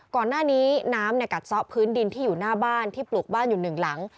ก่อนหน้านี้น้ำกัดซ้อพื้นดินที่อยู่หน้าบ้านที่ปลูกบ้านอยู่หนึ่งหลัง